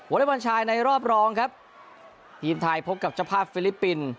เล็กบอลชายในรอบรองครับทีมไทยพบกับเจ้าภาพฟิลิปปินส์